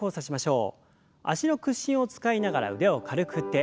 脚の屈伸を使いながら腕を軽く振って。